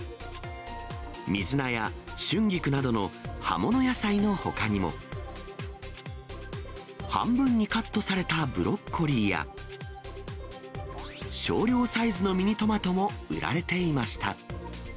水菜や春菊などの刃物野菜のほかにも、半分にカットされたブロッコリーや、少量サイズのミニトマトも売られていました。